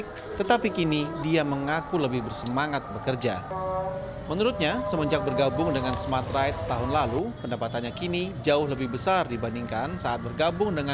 halo selamat siang